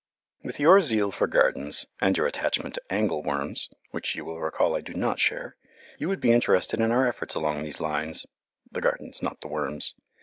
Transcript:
With your zeal for gardens, and your attachment to angle worms which you will recall I do not share you would be interested in our efforts along these lines the gardens, not the worms.